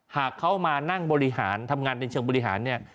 หากเขามานั่งบริหารทำงานในเชิงบริหารเนี่ย